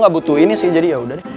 gak butuh ini sih jadi yaudah deh